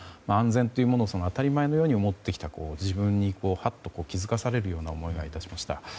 安全というものを当たり前のように思ってきた自分にはっと気づかされるような思いが致しました。